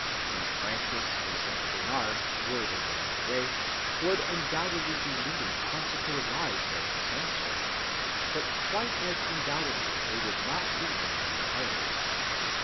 Saint Francis or Saint Bernard, were they living to‐day, would undoubtedly be leading consecrated lives of some sort, but quite as undoubtedly they would not lead them in retirement.